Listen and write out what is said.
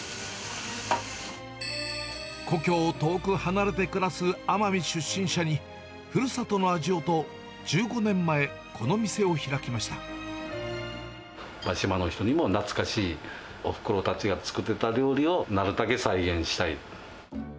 故郷を遠く離れて暮らす奄美出身者に、ふるさとの味をと、１５年島の人にも懐かしい、おふくろたちが作ってた料理をなるたけ再現したい。